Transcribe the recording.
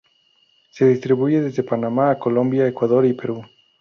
Se distribuye desde Panamá a Colombia, Ecuador y Perú.